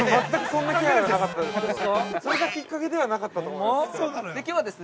◆それがきっかけではなかったと思います。